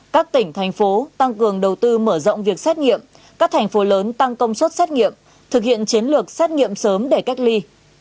các tỉnh thành phố tăng cường đầu tư mở rộng việc xét nghiệm các thành phố lớn tăng công suất xét nghiệm thực hiện chiến lược xét nghiệm sớm để cách ly